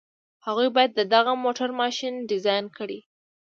هغوی بايد د دغه موټر ماشين ډيزاين کړي.